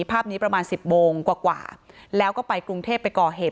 ภาพนี้ประมาณสิบโมงกว่าแล้วก็ไปกรุงเทพไปก่อเหตุ